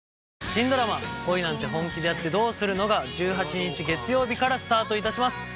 新ドラマ『恋なんて、本気でやってどうするの？』が１８日月曜日からスタートいたします。